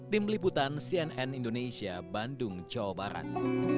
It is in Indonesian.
tim liputan cnn indonesia bandung cowo barat